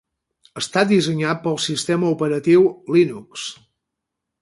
Està dissenyat pel sistema operatiu Linux.